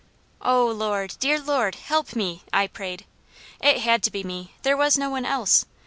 "Oh Lord! Dear Lord! Help me!" I prayed. It had to be me, there was no one else.